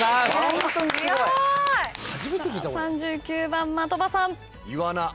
３９番的場さん。